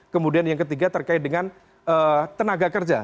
kemudian yang ketiga terkait dengan tenaga kerja